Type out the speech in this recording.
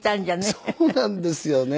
そうなんですよね。